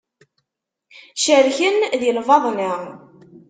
Cerken di lbaḍna.